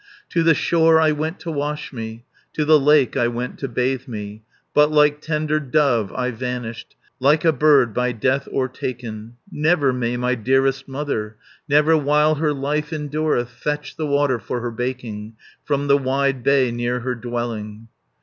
"To the shore I went to wash me, To the lake I went to bathe me, 340 But, like tender dove, I vanished, Like a bird by death overtaken. Never may my dearest mother, Never while her life endureth, Fetch the water for her baking, From the wide bay near her dwelling.